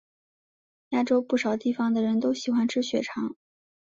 亚洲不少地方的人都喜欢吃血肠。